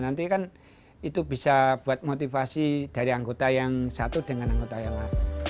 nanti kan itu bisa buat motivasi dari anggota yang satu dengan anggota la